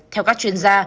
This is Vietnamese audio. theo các chuyên gia